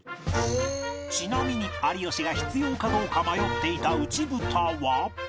ちなみに有吉が必要かどうか迷っていた内蓋は